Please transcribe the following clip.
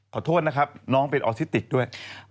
ขอโทษนะน้องเป็นบิวเตอร์ศิติกซ์ด้วย